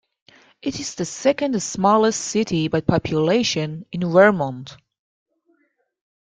It is the second smallest city by population in Vermont.